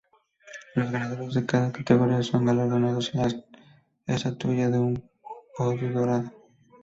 Los ganadores de cada categoría son galardonados con la estatuilla de un pudú dorado.